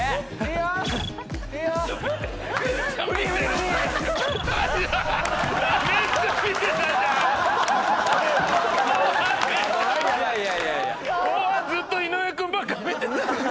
後半ずっと井上君ばっか見てた。